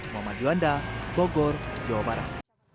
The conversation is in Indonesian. muhammad juanda bogor jawa barat